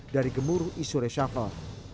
dari gemuruh isure shafal